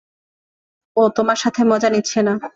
ও তোমার সাথে মজা নিচ্ছে না।